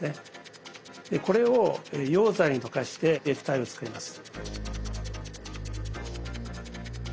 これを溶剤に溶かして液体を作ります。